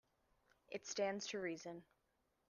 It stands to reason.